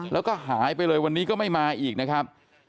แล้วก็หายไปเลยวันนี้ก็ไม่มาอีกนะครับ